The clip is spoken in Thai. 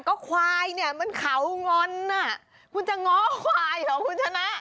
ก็ควายเนี่ยมันเขางอนคุณจะง้อควายเหรอคุณชนะ